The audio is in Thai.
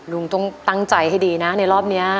ลุงต้องตั้งใจให้ดีนะในรอบนี้